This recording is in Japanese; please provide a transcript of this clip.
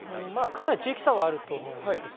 かなり地域差はあると思うんです。